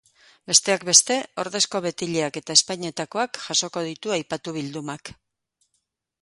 Besteak beste, ordezko betileak eta ezpainetakoak jasoko ditu aipatu bildumak.